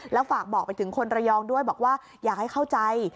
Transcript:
แล้วฝากบอกไปถึงคนระยองด้วยบอกว่าอยากให้เข้าใจ